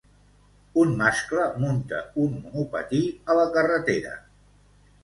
Un mascle munta un monopatí a la carretera.